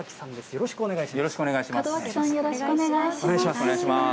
よろしくお願いします。